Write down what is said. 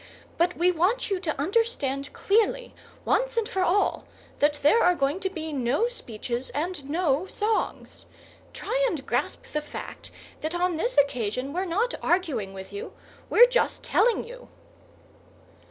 But we want you to understand clearly, once and for all, that there are going to be no speeches and no songs. Try and grasp the fact that on this occasion we're not arguing with you; we're just telling you."